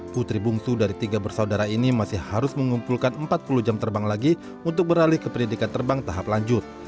putri bungsu dari tiga bersaudara ini masih harus mengumpulkan empat puluh jam terbang lagi untuk beralih ke pendidikan terbang tahap lanjut